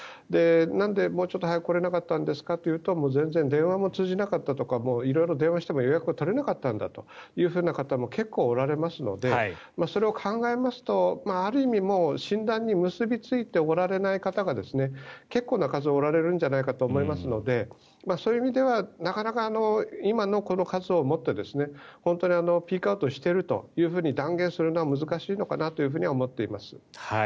なのでもう少し早く来れなかったんですかと言うと全然電話も通じなかったとか色々電話しても予約が取れなかったという方も結構おられますのでそれを考えますとある意味診断に結びついておられない方が結構な数おられるんじゃないかと思いますのでそういう意味ではなかなか今のこの数をもって本当にピークアウトしていると断言するのは難しいのかなとは思っています。